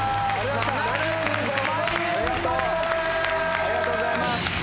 ありがとうございます。